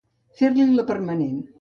Fer-li la permanent.